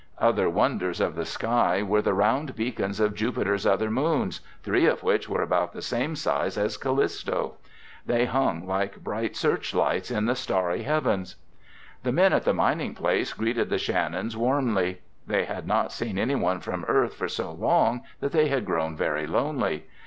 Other wonders of the sky were the round beacons of Jupiter's other moons, three of which were about the same size as Callisto. They hung like bright searchlights in the starry heavens. The men at the mining place greeted the Shannons warmly. They had not seen anyone from Earth for so long that they had grown very lonely.